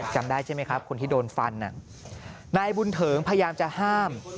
จำได้ใช่ไหมครับคนที่โดนฟันนายบุญเถิงพยายามจะห้าม